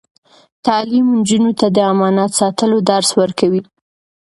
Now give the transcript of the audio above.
تعلیم نجونو ته د امانت ساتلو درس ورکوي.